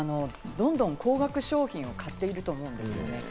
どんどん高額商品を買っていると思うんです。